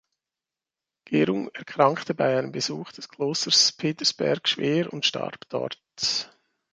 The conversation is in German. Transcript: Gerung erkrankte bei einem Besuch des Klosters Petersberg schwer und starb dort.